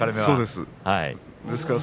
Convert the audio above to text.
そうです。